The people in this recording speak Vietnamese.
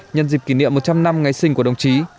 nhân dịp kỷ niệm một trăm linh năm ngày sinh của đồng chí